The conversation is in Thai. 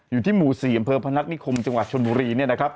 อยู่ที่หมู่๔อำเภอพนัฐนิคมจังหวัดชนบุรี